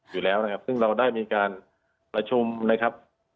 อยู่แล้วนะครับซึ่งเราได้มีการประชุมนะครับ